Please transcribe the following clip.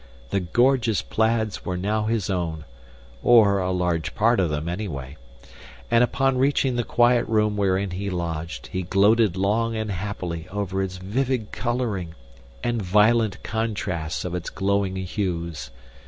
The gorgeous plaids were now his own (or a large part of them, anyway), and upon reaching the quiet room wherein he lodged he gloated long and happily over its vivid coloring and violent contrasts of its glowing hues.